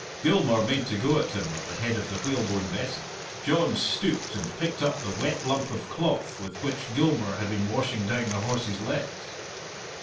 Gilmour made to go at him with the head of the whalebone besom. John stooped and picked up the wet lump of cloth with which Gilmour had been washing down the horse's legs.